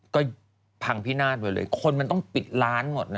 ก็พังพินาศไปเลยคนมันต้องปิดร้านหมดนะ